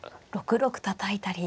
６六たたいたり。